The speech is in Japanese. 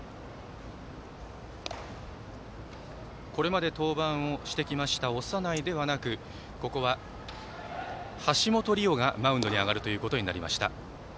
これまで登板してきました長内ではなくここは、橋本理央がマウンドに上がるということになりました。